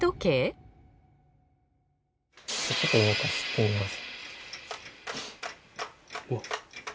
ちょっと動かしてみます。